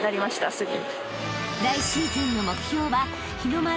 すぐ。